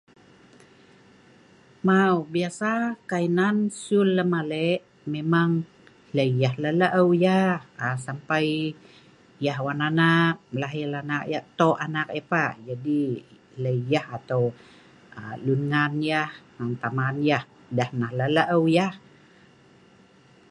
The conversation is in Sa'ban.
mau biasa kai nan sul lem alek. memang lei yah la laeu yeh aa sampai yeh wan anak, lahir anak yeh, tok anak yeh pah. aa jadi lei yah atau aa lun ngan yeh, hnan taman yeh, deh nah la laeu yah